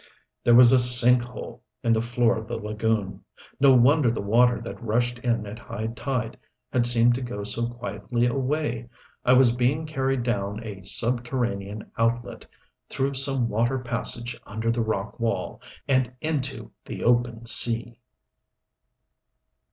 There was a sink hole in the floor of the lagoon. No wonder the water that rushed in at high tide had seemed to go so quietly away. I was being carried down a subterranean outlet, through some water passage under the rock wall, and into the open sea.